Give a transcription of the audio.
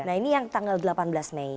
nah ini yang tanggal delapan belas mei